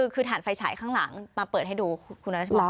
คือฐานไฟฉายข้างหลังมาเปิดให้ดูคุณรัชพร